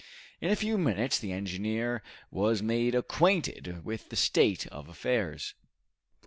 In a few minutes the engineer was made acquainted with the state of affairs.